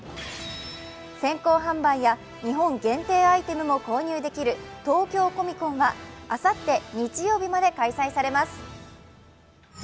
先行販売や、日本限定アイテムも購入できる東京コミコンはあさって日曜日まで開催されます。